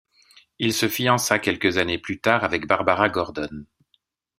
Il se fiança quelques années plus tard avec Barbara Gordon.